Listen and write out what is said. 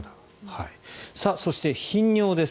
そして、頻尿です。